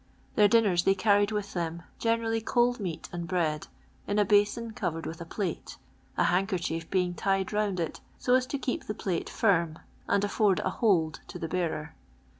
Their dinners they carried with them, generally cold meat and bread, in a basin covered with a plate, a handkerchief being tied round it so as to keep the plate iirin and afford a hold to the bearer.